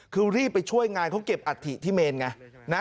คือรีบไปช่วยงานเขาเก็บอัฐิที่เมนไงนะ